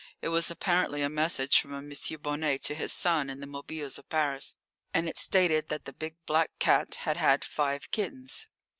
It was apparently a message from a M. Bonnet to his son in the Mobiles at Paris, and it stated that the big black cat had had five kittens.